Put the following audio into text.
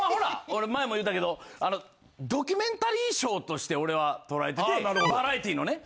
俺前も言うたけどドキュメンタリーショーとして俺は捉えててバラエティーのね。